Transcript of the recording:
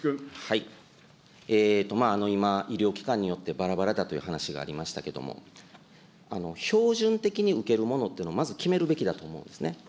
今、医療機関によってばらばらだという話がありましたけども、標準的に受けるものというのはまず決めるべきだと思うんですね。